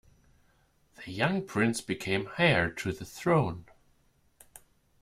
The young prince became heir to the throne.